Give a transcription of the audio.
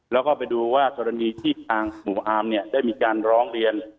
แล้วก็ไปดูว่ากรณีที่ทางหมู่อาร์มเนี่ยได้มีการร้องเรียน